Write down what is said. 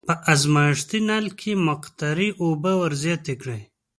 په ازمایښتي نل کې مقطرې اوبه ور زیاتې کړئ.